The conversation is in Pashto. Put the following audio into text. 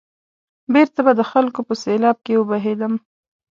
بېرته به د خلکو په سېلاب کې وبهېدم.